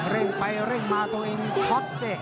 เล่งไผ่เล่งมาตัวเองชอบสิ